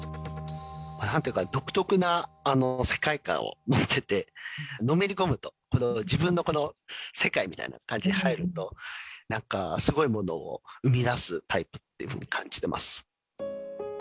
なんていうか、独特な世界観を持ってて、のめり込むと、自分の世界みたいな感じに入ると、なんかすごいものを生み出すタイプだっていうふうに感じてます。